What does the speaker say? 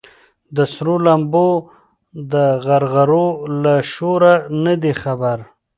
د سرو لمبو د غرغرو له شوره نه دي خبر